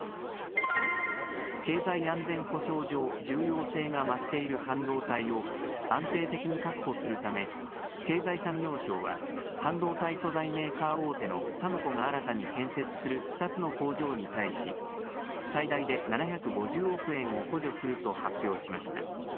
経済安全保障上、重要性が増している半導体を安定的に確保するため経済産業省は半導体素材メーカー大手のＳＵＭＣＯが新たに建設する２つの工場に対し最大で７５０億円を補助すると発表しました。